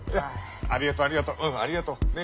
ありがとうありがとううんありがとうね。